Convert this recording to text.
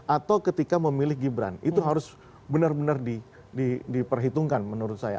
atau ketika memilih gibran itu harus benar benar diperhitungkan menurut saya